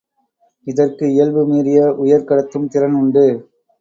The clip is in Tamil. இதற்கு இயல்பு மீறிய உயர் கடத்தும் திறன் உண்டு.